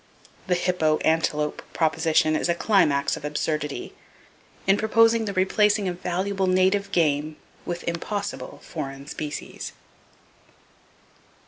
The hippo antelope proposition is a climax of absurdity, in proposing the replacing of valuable native game with impossible foreign species.